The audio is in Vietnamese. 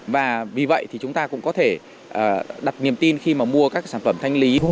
và vì vậy thì chúng ta cũng có thể đặt niềm tin khi mà mua các sản phẩm thanh lý